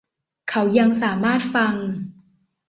เขายังสามารถฟัง